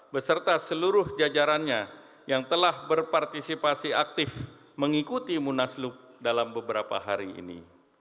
beserta seluruh jajarannya yang telah berpartisipasi aktif mengikuti munaslup dalam beberapa hari ini